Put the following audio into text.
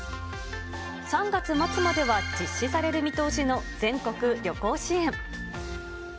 ３月末までは実施される見通しの全国旅行支援。